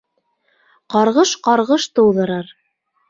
Ҡарғыш ҡарғыш тыуҙырыр.